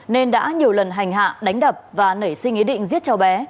nên đã nhiều lần hành hạ đánh đập và nảy sinh ý định giết cháu bé